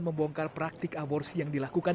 membongkar praktik aborsi yang dilakukan